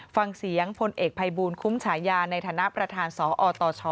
ฟังเสียงพลเอกภัยบูลคุ้มฉายาในฐานะประธานสอตช